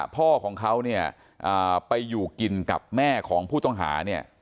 พ่อของเขาเนี่ยไปอยู่กินกับแม่ของผู้ต้องหาเนี่ย